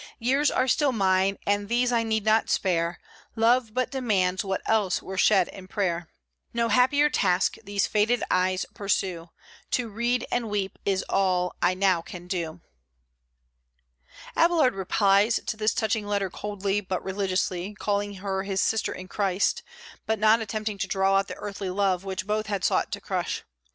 Years still are mine, and these I need not spare, Love but demands what else were shed in prayer; No happier task these faded eyes pursue, To read and weep is all I now can do. Abélard replies to this touching letter coldly, but religiously, calling her his "sister in Christ," but not attempting to draw out the earthly love which both had sought to crush.